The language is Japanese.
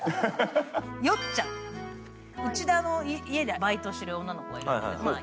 よっちゃん、内田の家でバイトしてる女の子。